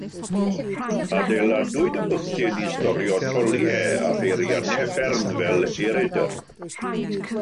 Adeiladwyd y bwthyn i storio troliau a pheiriannau fferm fel erydr.